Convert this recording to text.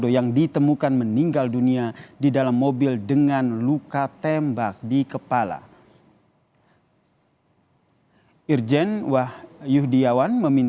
yang ditemukan tewas di dalam mobil mewah ini